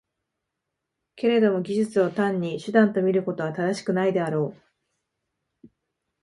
けれども技術を単に手段と見ることは正しくないであろう。